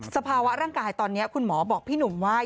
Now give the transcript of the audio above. สภาวะร่างกายตอนนี้คุณหมอบอกพี่หนุ่มว่า